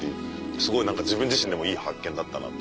すごい自分自身でもいい発見だったなと。